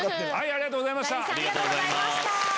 ありがとうございます。